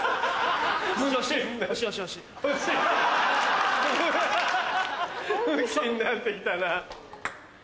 本気になってきたな。